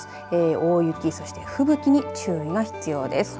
大雪そして吹雪に注意が必要です。